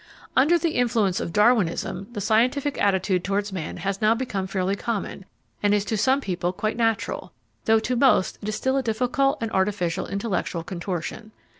Under the influence of Darwinism the scientific attitude towards man has now become fairly common, and is to some people quite natural, though to most it is still a difficult and artificial intellectual contortion.